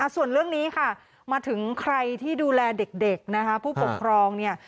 ส่วนเรื่องนี้ค่ะมาถึงใครที่ดูแลเด็กนะคะผู้ปกครองเนี่ย